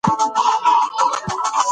د کورني روباټ په اړه دا راپور خبرې کوي.